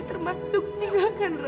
termasuk meninggalkan ram